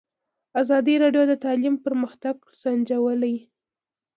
ازادي راډیو د تعلیم پرمختګ سنجولی.